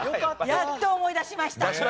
やっと思い出しました。